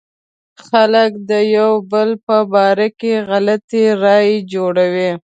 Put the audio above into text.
خلک د يو بل په باره کې غلطې رايې جوړوي.